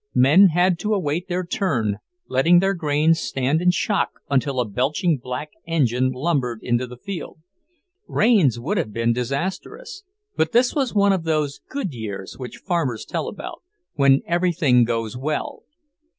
Men had to await their turn, letting their grain stand in shock until a belching black engine lumbered into the field. Rains would have been disastrous; but this was one of those "good years" which farmers tell about, when everything goes well.